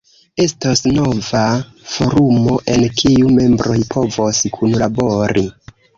Estos nova forumo, en kiu membroj povos kunlabori.